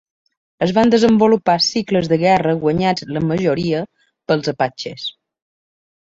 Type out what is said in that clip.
Es van desenvolupar cicles de guerra, guanyats la majoria pels apatxes.